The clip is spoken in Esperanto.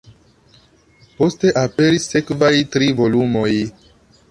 Poste aperis sekvaj tri volumoj.